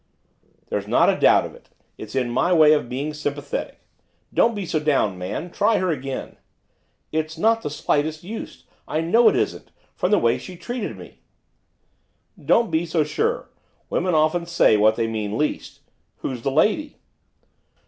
'There's not a doubt of it, it's my way of being sympathetic. Don't be so down, man, try her again!' 'It's not the slightest use I know it isn't from the way she treated me.' 'Don't be so sure women often say what they mean least. Who's the lady?